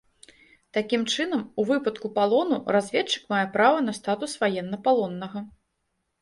Такім чынам, у выпадку палону, разведчык мае права на статус ваеннапалоннага.